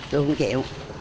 tôi không chịu